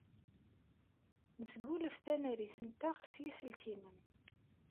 Nesgulef tanarit-nteɣ s yiselkimen.